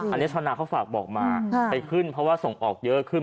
อันนี้ชาวนาเขาฝากบอกมาไปขึ้นเพราะว่าส่งออกเยอะขึ้น